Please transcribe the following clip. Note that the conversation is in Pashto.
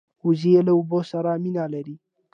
وزې له اوبو سره مینه لري